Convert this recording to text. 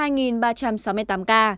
trong ngày một mươi hai ba trăm sáu mươi tám ca